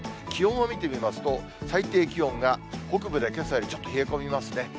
気温を見てみますと、最低気温が北部でけさよりちょっと冷え込みますね。